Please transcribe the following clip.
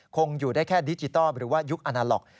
คงอยู่ได้แค่ดิจิทัลหรือว่ายุคอนาล็อก